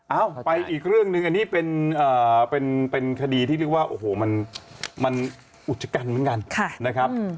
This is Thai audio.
เอ้าไปอีกเรื่องนึงอันนี้เป็นคดีที่เรียกว่าโอ้โหมันอุจจักรกันเหมือนกัน